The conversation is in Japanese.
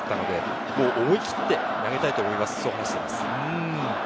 去年１年間、投げられなかったので、思い切って投げたいと思いますと話しています。